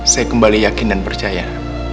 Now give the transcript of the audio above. saya kembali yakin dan percaya